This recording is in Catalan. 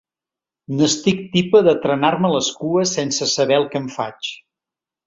N'estic tipa de trenar-me les cues sense saber el que em faig